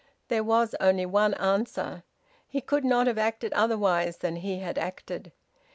There was only one answer. He could not have acted otherwise than he had acted.